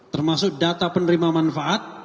termasuk data penerima manfaat